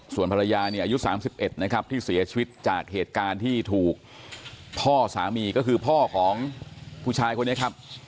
ส่วนภรรยาเนี่ยอายุ๓๑นะครับที่เสียชีวิตจากเหตุการณ์ที่ถูกพ่อสามีก็คือพ่อของผู้ชายคนนี้ครับ